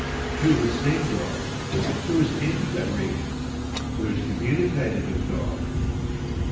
Who has seen God? Who has entered that "region"? Who has communicated with God?